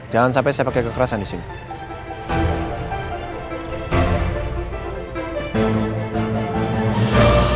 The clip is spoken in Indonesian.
jangan sampai saya pakai kekerasan di sini